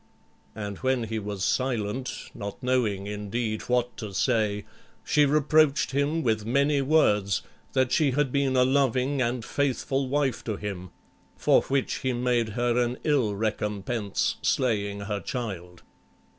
And when he was silent, not knowing, indeed, what to say, she reproached him with many words, that she had been a loving and faithful wife to him, for which he made her an ill recompense slaying her child.